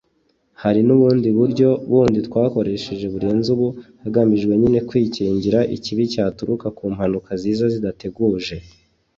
Hari n’ubundi buryo bundi twakoresheje burenze ubu hagamijwe nyine kwikingira ikibi cyaturuka ku mpanuka ziza zidateguje